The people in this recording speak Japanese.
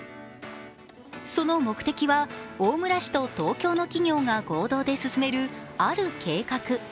その目的は、大村市と東京の企業が合同で進めるある計画。